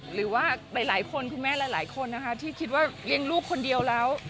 หรือว่าหลายคนคุณแม่หลายคนนะคะที่คิดว่าเลี้ยงลูกคนเดียวแล้ว